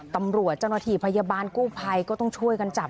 ตำรวจเจ้าหน้าที่พยาบาลกู้ภัยก็ต้องช่วยกันจับ